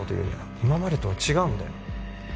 今までとは違うんだよ